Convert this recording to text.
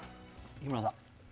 日村さん